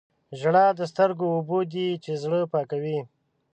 • ژړا د سترګو اوبه دي چې زړه پاکوي.